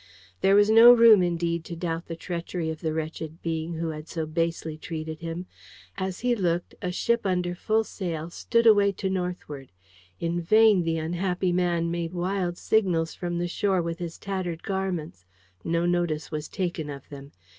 There was no room, indeed, to doubt the treachery of the wretched being who had so basely treated him. As he looked, a ship under full sail stood away to northward. In vain the unhappy man made wild signals from the shore with his tattered garments. No notice was taken of them.